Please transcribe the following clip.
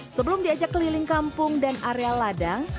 sebelum diajak keliling kampung dan area ladang